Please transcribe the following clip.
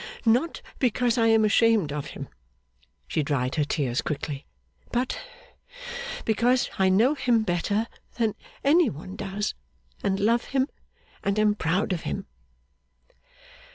Not because I am ashamed of him,' she dried her tears quickly, 'but because I know him better than any one does, and love him, and am proud of him.